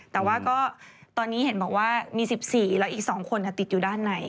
แต่ว่าก็ตอนนี้เห็นบอกว่ามี๑๔แล้วอีก๒คนติดอยู่ด้านใน